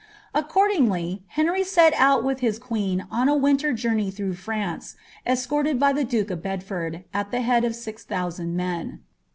Accordingly, Henry set out with his queen on a winter journey through France, escorted by the duke of Bedford, at the head of six thousand men.